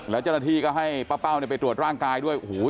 แล้วเจ้าหน้าที่ก็ให้ป้าเป้าไปตรวจร่างกายด้วยโอ้โห